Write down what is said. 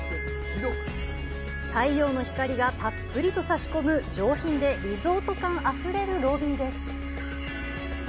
太陽の光がたっぷりと差し込む上品でリゾート感あふれるロビーです。